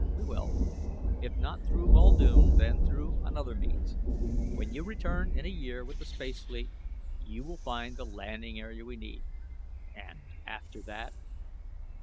"We will. If not through Muldoon, then through another means. When you return in a year with the space fleet you will find the landing area we need." "And after that